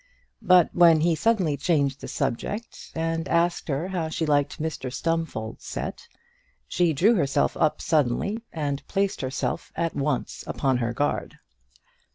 But when he suddenly changed the subject, and asked her how she liked Mr Stumfold's set, she drew herself up suddenly and placed herself at once upon her guard.